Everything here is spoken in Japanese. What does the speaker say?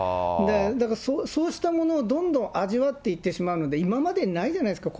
だからそうしたものをどんどん味わっていってしまうので、今までにないじゃないですか。